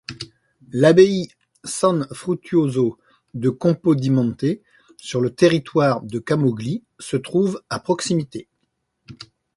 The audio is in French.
L'abbaye San Fruttuoso de Capodimonte, sur le territoire de Camogli, se trouve à proximité.